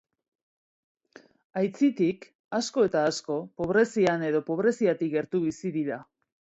Aitzitik, asko eta asko pobrezian edo pobreziatik gertu bizi dira.